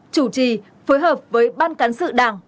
chủ trì phối hợp với ban cán sự đảng